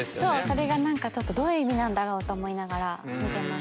それが何かちょっとどういう意味なんだろうと思いながら見てました。